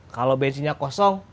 kalau bensinnya kosong